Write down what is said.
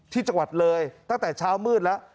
ที่จังหวัดเลยตั้งแต่เช้ามืดแล้ว